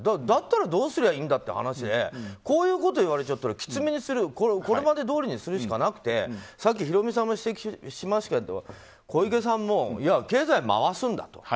だったらどうすりゃいいんだって話でこういうことを言われちゃったらこれまでどおりにするしかなくてヒロミさんも指摘しましたけど小池さんも経済回すんだと。